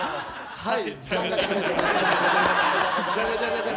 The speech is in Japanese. はい。